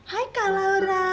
hai kak laura